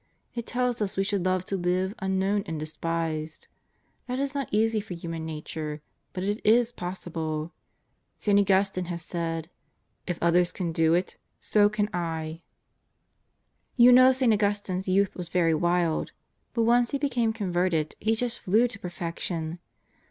It tells us we should love to live unknown and despised. That is not easy for human nature, but it is possible. St. Augustine has said: "If others can do it, so can I!" You know St. Augustine's youth was very wild. But once he became converted, he just flew to perfection.